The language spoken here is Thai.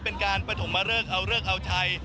เป็นการประถงมาเลิกเอาเลิกเอาไทย